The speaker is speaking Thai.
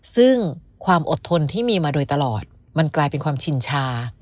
ซึ่งความอดทนที่มีมาโดยตลอดมันกลายเป็นความชินชา